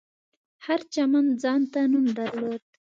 هر چمن ځانته نوم درلود.